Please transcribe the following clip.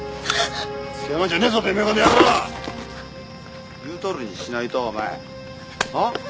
つけあがんじゃねぇぞてめぇこの野郎言うとおりにしないとお前おっ？